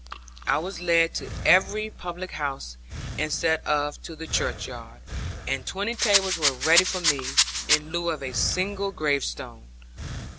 I was led to every public house, instead of to the churchyard; and twenty tables were ready for me, in lieu of a single gravestone.